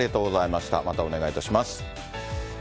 またお願いいたします。